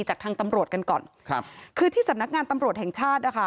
จากทางตำรวจกันก่อนครับคือที่สำนักงานตำรวจแห่งชาตินะคะ